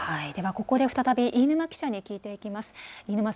ここで再び飯沼記者に聞いていきます。